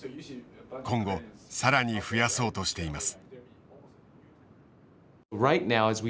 今後更に増やそうとしています。